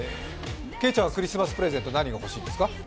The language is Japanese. けいちゃんはクリスマスプレゼントは何が欲しいんですか？